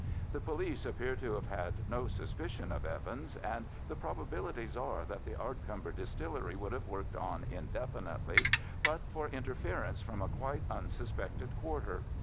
The police appear to have had no suspicion of Evans, and the probabilities are that the Ardcumber distillery would have worked on indefinitely but for interference from a quite unsuspected quarter.